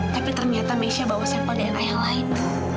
tapi ternyata mesha bawa sampel dna yang lain